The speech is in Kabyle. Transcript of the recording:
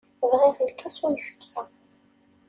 Bɣiɣ lkas n uyefki.